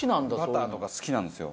バターとか好きなんですよ。